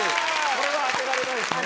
これは当てられないですね。